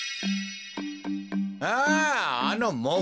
あああのモグラの。